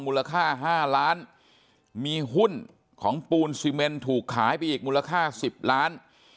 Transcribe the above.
มูลค่า๕ล้านมีหุ้นของปูนซีเมนถูกขายไปอีกมูลค่า๑๐ล้าน